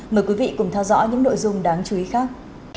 mời quý vị cùng theo dõi những nội dung đáng chú ý khác